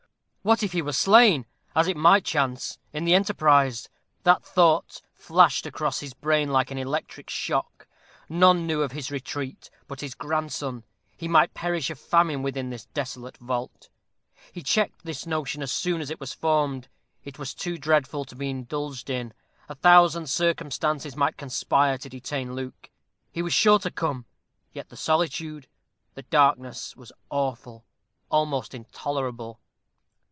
What if he were slain, as it might chance, in the enterprise? That thought flashed across his brain like an electric shock. None knew of his retreat but his grandson. He might perish of famine within this desolate vault. He checked this notion as soon as it was formed it was too dreadful to be indulged in. A thousand circumstances might conspire to detain Luke. He was sure to come. Yet the solitude the darkness was awful, almost intolerable.